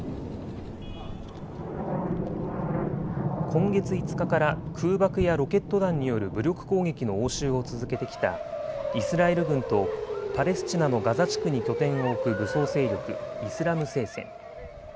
今月５日から空爆やロケット弾による武力攻撃の応酬を続けてきたイスラエル軍とパレスチナのガザ地区に拠点を置く武装勢力、イスラム聖戦。